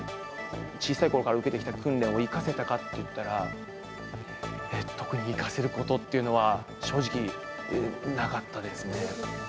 小さいころから受けてきた訓練を生かせたかっていったら、特に生かせることっていうのは、正直、なかったですね。